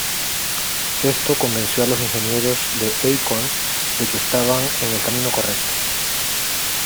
Esto convenció a los ingenieros de Acorn de que estaban en el camino correcto.